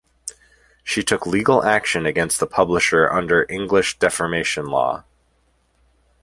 She took legal action against the publisher under English defamation law.